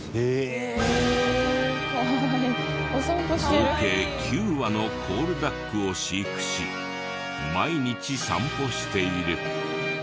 合計９羽のコールダックを飼育し毎日散歩している。